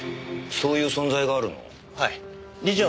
そういう存在があるの？